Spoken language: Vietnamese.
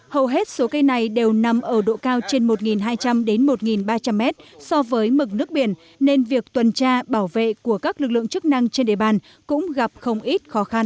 hầu hết số cây này đều nằm ở độ cao trên một hai trăm linh đến một ba trăm linh mét so với mực nước biển nên việc tuần tra bảo vệ của các lực lượng chức năng trên địa bàn cũng gặp không ít khó khăn